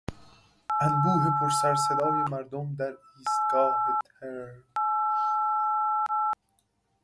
انبوه پرسروصدای مردم در ایستگاه ترن